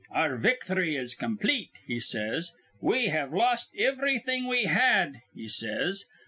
'Our victhry is complete,' he says. 'We have lost ivrything we had,' he says.